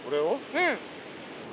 うん。